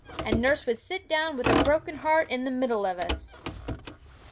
and nurse would sit down with a broken heart in the middle of us!'